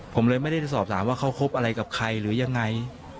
ผมเลยไม่ได้สอบถามว่าเขาคบอะไรกับใครหรือยังไง